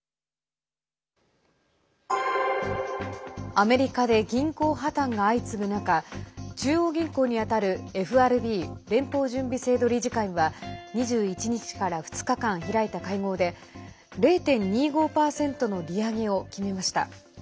アメリカで銀行破綻が相次ぐ中中央銀行にあたるＦＲＢ＝連邦準備制度理事会は２１日から２日間開いた会合で０．２５％の利上げを決めました。